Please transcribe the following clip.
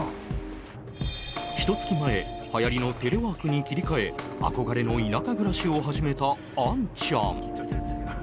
ひと月前流行りのテレワークに切り替え憧れの田舎暮らしを始めたアンちゃん。